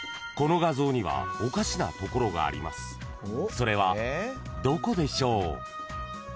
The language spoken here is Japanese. ［それはどこでしょう？］